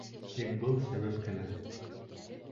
Тик был — сәбәп кенә.